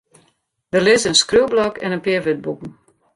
Der lizze in skriuwblok en in pear wurdboeken.